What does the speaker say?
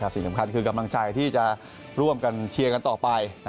สิ่งสำคัญคือกำลังใจที่จะร่วมกันเชียร์กันต่อไป